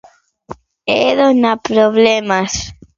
É dona problemas.